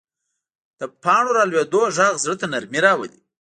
د پاڼو رالوېدو غږ زړه ته نرمي راولي